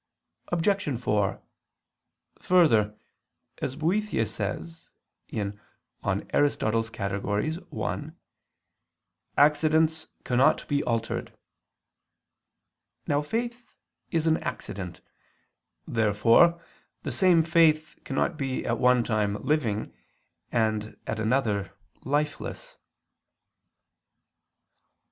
Obj. 4: Further, as Boethius says (In Categ. Arist. i), "accidents cannot be altered." Now faith is an accident. Therefore the same faith cannot be at one time living, and at another, lifeless.